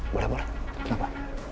boleh boleh kenapa